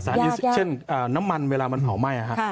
เช่นน้ำมันเวลามันเผาไหม้